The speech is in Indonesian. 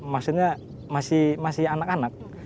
maksudnya masih anak anak